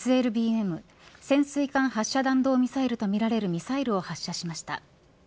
潜水艦発射弾道ミサイルとみられるミサイルを発射しました。